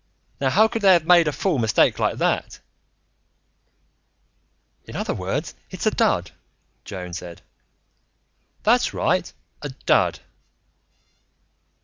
Now how could they have made a fool mistake like that?" "In other words, it's a dud," Joan said. "That's right, a dud."